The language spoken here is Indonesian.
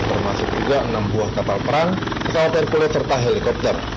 termasuk juga enam buah kapal perang pesawat hercule serta helikopter